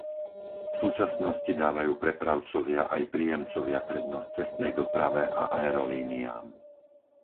V súčasnosti dávajú prepravcovia aj príjemcovia prednosť cestnej doprave a aerolíniám.